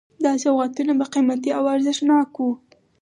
دا سوغاتونه به قیمتي او ارزښتناک وو.